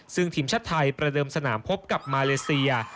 ซึ่งทีมชาติไทยประเดิมสนามพบกับมาเลเซีย